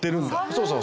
そうそう。